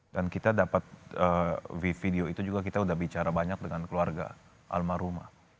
dan kita dapat video itu juga kita udah bicara banyak dengan keluarga alma rumah